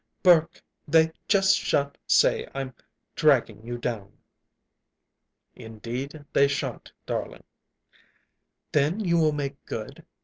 Burke, they just shan't say I'm dragging you down." "Indeed they shan't, darling." "Then you will make good?"